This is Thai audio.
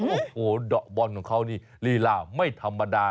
โอ้โหเดาะบอลของเขานี่ลีลาไม่ธรรมดา